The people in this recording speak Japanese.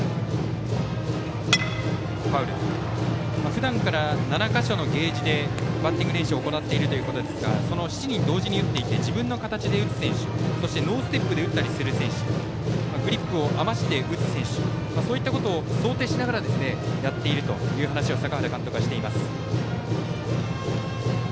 ふだんから７か所のゲージでバッティング練習を行っているということですが７人同時に打っていて自分の形で打つ選手そして、ノーステップで打ったりする選手グリップを余して打つ選手そういったことを想定しながらやっているという話を坂原監督はしています。